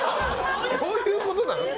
そういうことなの？